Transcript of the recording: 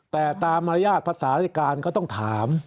แต่ตามมารยาทภาษาราชการก็ต้องถาม